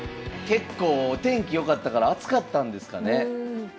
結構天気良かったから暑かったんですかね。